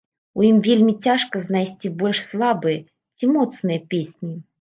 У ім вельмі цяжка знайсці больш слабыя, ці моцныя песні.